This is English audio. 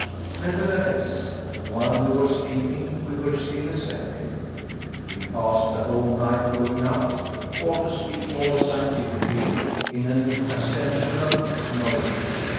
Nevertheless, while we were speaking we were still ascending; we passed the whole night going up, or to speak more scientifically, in an ascensional motion.